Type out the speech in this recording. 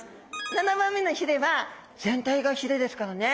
７番目の鰭は全体が鰭ですからね。